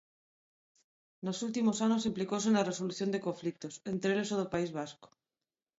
Nos últimos anos implicouse na resolución de conflitos, entre eles o do País Vasco.